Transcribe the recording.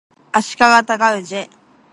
足利尊氏